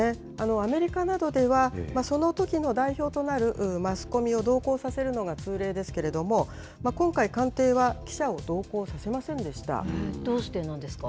アメリカなどではその時の代表となるマスコミを同行させるのが通例ですけれども今回、官邸はどうしてなんですか。